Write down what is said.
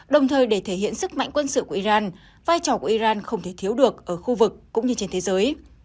đồng thời để thể hiện sức mạnh quân sự của iran vai trò của iran không thể thiếu được ở khu vực cũng như trên thế giới